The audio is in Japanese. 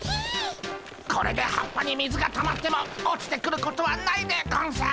これで葉っぱに水がたまっても落ちてくることはないでゴンス。